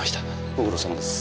ご苦労さまです。